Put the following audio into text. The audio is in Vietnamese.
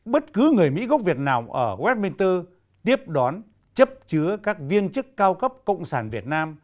bất cứ người mỹ gốc việt nào ở westminster tiếp đón chấp chứa các viên chức cao cấp cộng sản việt nam